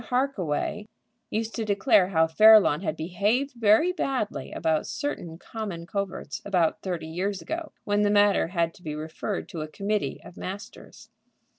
Harkaway used to declare how Fairlawn had behaved very badly about certain common coverts about thirty years ago, when the matter had to be referred to a committee of masters.